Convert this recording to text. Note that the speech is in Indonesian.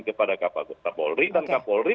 kepada kapolri dan kapolri